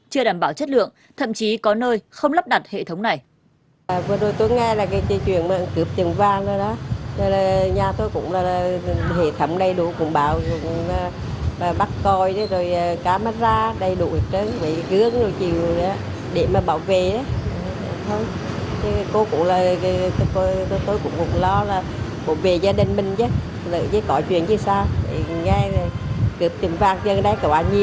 chưa đảm bảo chất lượng thậm chí có nơi không lắp đặt hệ thống này